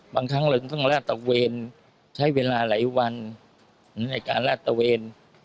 ครั้งเราต้องลาดตะเวนใช้เวลาหลายวันในการลาดตะเวน